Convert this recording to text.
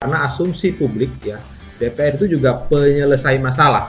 karena asumsi publik ya dpr itu juga penyelesai masalah